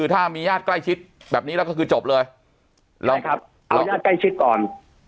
ถ้ามีญาติใกล้ชิดแบบนี้แล้วก็คือจบเลยลองเอาญาติใกล้ชิดก่อน